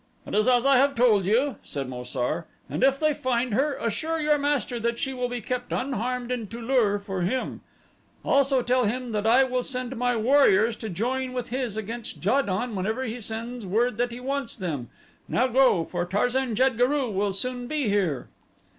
"It is as I have told you," said Mo sar, "and if they find her, assure your master that she will be kept unharmed in Tu lur for him. Also tell him that I will send my warriors to join with his against Ja don whenever he sends word that he wants them. Now go, for Tarzan jad guru will soon be here."